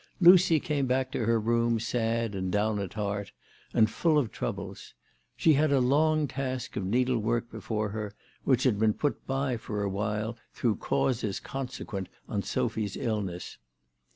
Lucy came back to her room sad and down at heart and full of troubles. She had a long task of needle work before her, which had been put by for awhile through causes consequent on Sophy's illness.